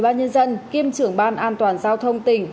và làm bị thương ba trăm bốn mươi hai người